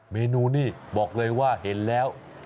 เมนูนี่บอกเลยว่าเห็นแล้ว